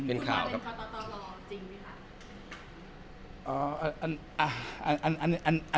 คุณบ่อยเป็นพ่อค้าคนกลางรองจริงไหมคะ